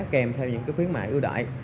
kèm theo những khuyến mại ưu đãi